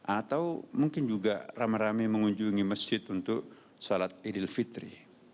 atau mungkin juga ramah ramih mengunjungi masjid untuk salat idil fitri